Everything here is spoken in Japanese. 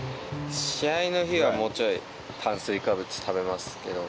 試合の日はもうちょい、炭水化物食べますけど。